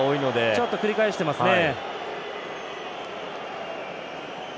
ちょっと繰り返していますね。